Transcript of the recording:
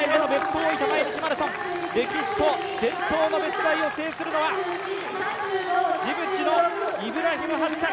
大分毎日マラソン、歴史と伝統の別大を制するのは、ジブチのイブラヒム・ハッサン。